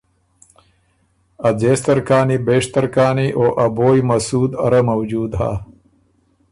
ا ځېستر کانی بېشتر کانی او ا بویٛ مسود اره موجود هۀ۔